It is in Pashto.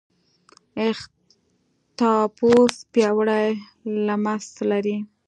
اختاپوس پیاوړی لمس لري.